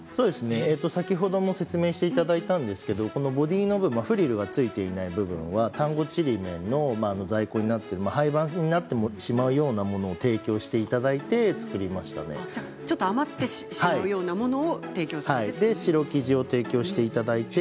先ほども説明していただいたんですけどもボディーの部分フリルがついていない部分は丹後ちりめんの在庫になって廃盤になってしまうようなものを余ってしまうようなものを白生地を提供していただいて